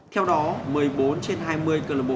theo đó một mươi bốn trên hai mươi club